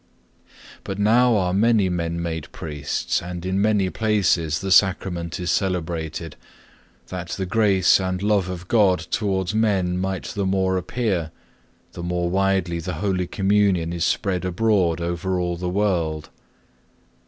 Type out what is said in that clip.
But now are many men made priests and in many places the Sacrament is celebrated, that the grace and love of God towards men might the more appear, the more widely the Holy Communion is spread abroad over all the world.